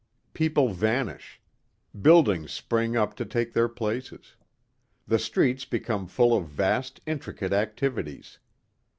People vanish. Buildings spring up to take their places. The streets become full of vast, intricate activities.